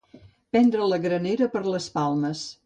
Prendre la granera per les palmes.